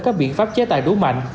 các biện pháp chế tài đủ mạnh